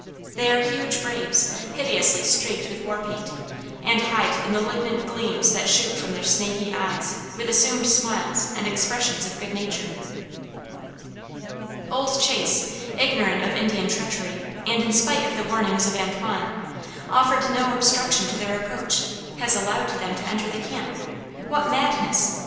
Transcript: They are huge braves, hideously streaked with war paint, and hide the malignant gleams that shoot from their snaky eyes with assumed smiles and expressions of good nature. Old Chase, ignorant of Indian treachery and in spite of the warnings of Antoine, offering no obstruction to their approach, has allowed them to enter the camp. What madness!